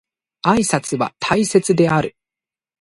挨拶は大切である